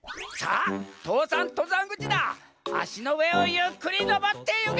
あしのうえをゆっくりのぼってゆけ！